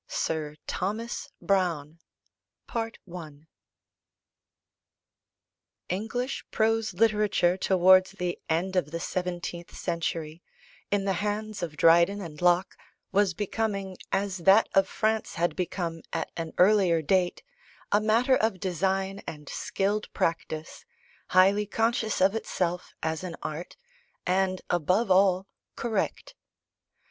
SIR THOMAS BROWNE ENGLISH prose literature towards the end of the seventeenth century, in the hands of Dryden and Locke, was becoming, as that of France had become at an earlier date, a matter of design and skilled practice, highly conscious of itself as an art, and, above all, correct.